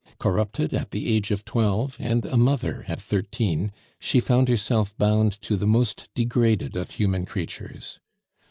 Corrupted at the age of twelve, and a mother at thirteen, she found herself bound to the most degraded of human creatures.